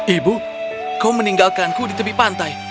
ibu kau meninggalkanku di tepi pantai